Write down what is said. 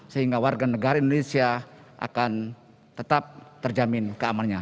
sehingga warga negara indonesia akan tetap terjamin keamanannya